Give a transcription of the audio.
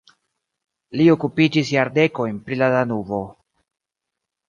Li okupiĝis jardekojn pri la Danubo.